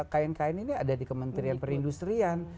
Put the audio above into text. kain kain ini ada di kementerian perindustrian